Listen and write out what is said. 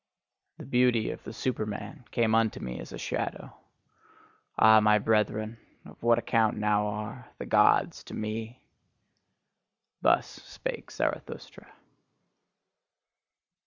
The beauty of the Superman came unto me as a shadow. Ah, my brethren! Of what account now are the Gods to me! Thus spake Zarathustra.